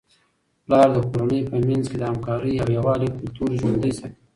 پلار د کورنی په منځ کي د همکارۍ او یووالي کلتور ژوندۍ ساتي.